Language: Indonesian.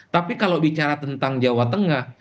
tapi kalau bicara tentang jawa tengah